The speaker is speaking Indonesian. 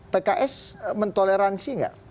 pks mentoleransi nggak